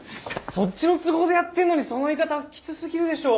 そっちの都合でやってんのにその言い方はきつすぎるでしょう。